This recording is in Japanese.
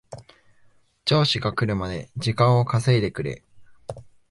上司が来るまで時間を稼いでくれ